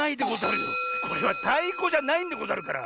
これはたいこじゃないんでござるから。